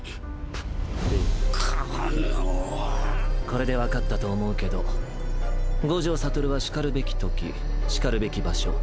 これで分かったと思うけど五条悟はしかるべきときしかるべき場所